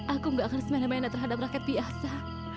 aku gak akan semeneh meneh terhadap rakyat biasa